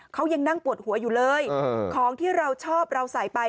เขายังนั่งปวดหัวอยู่เลยของที่เราชอบเราใส่ไป